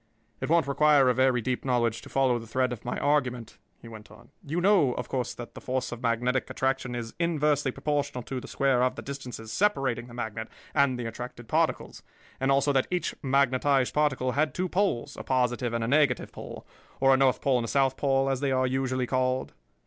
"It won't require a very deep knowledge to follow the thread of my argument," he went on. "You know, of course, that the force of magnetic attraction is inversely proportional to the square of the distances separating the magnet and the attracted particles, and also that each magnetized particle had two poles, a positive and a negative pole, or a north pole and a south pole, as they are usually called?"